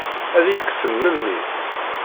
Ad iyi-kksen memmi?